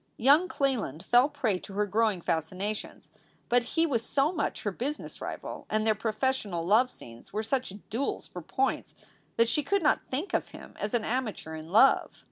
Young Cleland fell prey to her growing fascinations, but he was so much her business rival and their professional love scenes were such duels for points, that she could not think of him as an amateur in love.